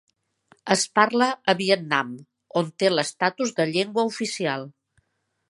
Es parla a Vietnam, on té l'estatus de llengua oficial.